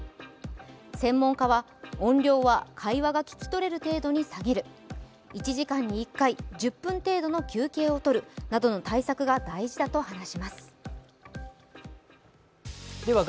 専門家は音量は会話が聞き取れる程度に下げる１時間に１回、１０分程度の休憩をとるなどの対策が大事だと話します。